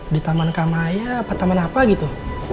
di taman kamaya apa taman apa gitu